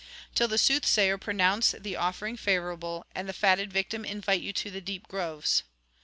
till the soothsayer pronounce the offering favourable, and the fatted victim invite you to the deep groves.'